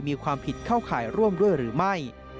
มีความผิดเข้าข่ายร่วมด้วยหรือไม่